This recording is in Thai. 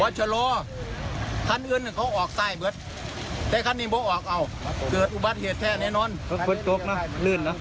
อ๋อฝนตกอยู่แต่ว่าฝนตกอยู่